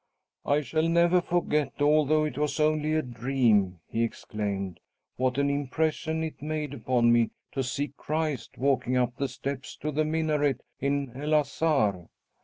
"I shall never forget, although it was only a dream," he exclaimed, "what an impression it made upon me to see Christ walking up the steps to the minaret in El Azhar!